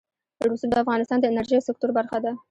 رسوب د افغانستان د انرژۍ سکتور برخه ده.